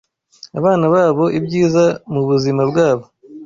abana babo ibyiza mu buzima bwabo